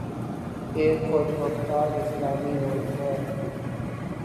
ایک خود مختار اسلامی ملک ہے